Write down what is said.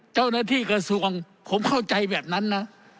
เจ้าหน้าที่กระทรวงผมเข้าใจแบบนั้นนะ